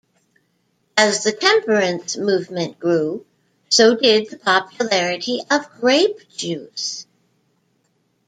As the temperance movement grew, so did the popularity of grape juice.